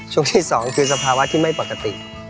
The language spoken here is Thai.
ช่วงที่สองคือสภาวะที่ไม่ปกติ